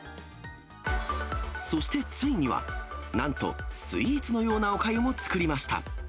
そしてついには、なんとスイーツのようなおかゆも作りました。